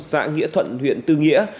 xã nghĩa thuận huyện tư nghĩa